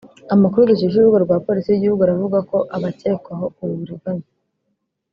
Amakuru dukesha urubuga rwa Polisi y’igihugu aravuga ko abakekwaho ubu buriganya